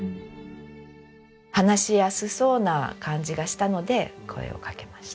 話しやすそうな感じがしたので声をかけました。